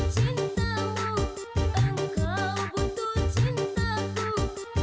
sekarang kita sendiri